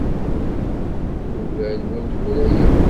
Ugar n wayyur aya.